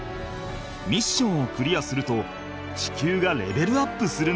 ミッションをクリアすると地球がレベルアップするんだとか。